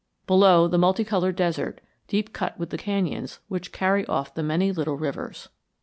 Below, the multicolored desert, deep cut with the canyons which carry off the many little rivers.